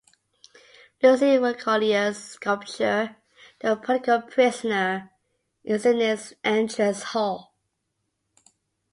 Lucien Wercollier's sculpture "The Political Prisoner" is in its entrance hall.